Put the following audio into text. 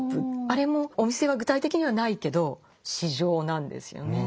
あれもお店は具体的にはないけど市場なんですよね。